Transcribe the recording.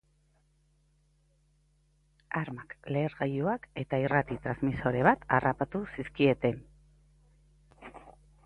Armak, lehergailuak eta irrati-transmisore bat harrapatu zizkieten.